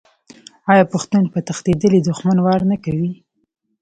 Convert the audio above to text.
آیا پښتون په تښتیدلي دښمن وار نه کوي؟